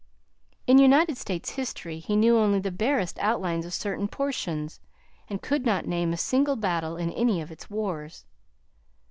in United States history he knew only the barest outlines of certain portions, and could not name a single battle in any of its wars.